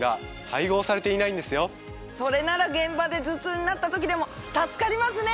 それなら現場で頭痛になった時でも助かりますね。